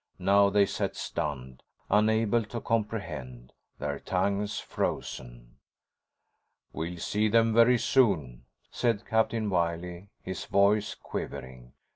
Now they sat stunned, unable to comprehend, their tongues frozen. "We'll see them very soon," said Captain Wiley, his voice quivering.